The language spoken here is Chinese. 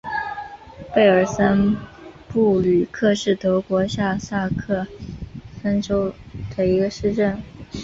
贝尔森布吕克是德国下萨克森州的一个市镇。